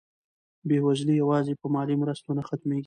بېوزلي یوازې په مالي مرستو نه ختمېږي.